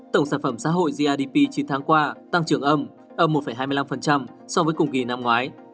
tổng sản phẩm xã hội grdp chín tháng qua tăng trưởng âm một hai mươi năm so với cùng kỳ năm ngoái